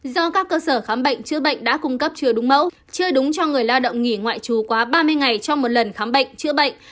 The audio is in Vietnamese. do các cơ sở khám bệnh chữa bệnh đã cung cấp chưa đúng mẫu chưa đúng cho người lao động nghỉ ngoại trú quá ba mươi ngày trong một lần khám bệnh chữa bệnh